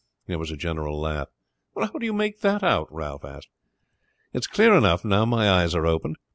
There was a general laugh. "How do you make that out?" Ralph asked. "It's clear enough, now my eyes are opened.